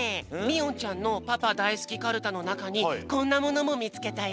おんちゃんのパパだいすきカルタのなかにこんなものもみつけたよ。